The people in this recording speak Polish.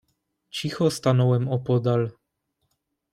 "Cicho stanąłem opodal."